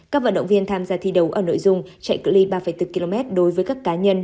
các vận động viên tham gia thi đấu ở nội dung chạy cự li ba bốn km đối với các cá nhân